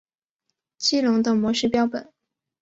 激龙的模式标本。